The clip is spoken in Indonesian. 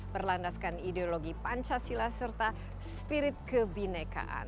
berlandaskan ideologi pancasila serta spirit kebinekaan